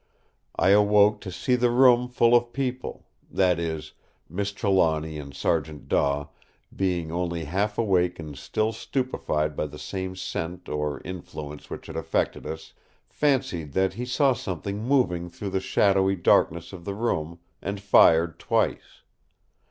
I awoke to see the room full of people; that is, Miss Trelawny and Sergeant Daw, being only half awake and still stupefied by the same scent or influence which had affected us, fancied that he saw something moving through the shadowy darkness of the room, and fired twice.